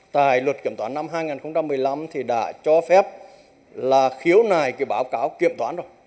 tại luật kiểm toán năm hai nghìn một mươi năm thì đã cho phép là khiếu nại cái báo cáo kiểm toán rồi